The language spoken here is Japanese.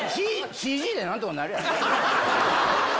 ＣＧでなんとかなるやろ。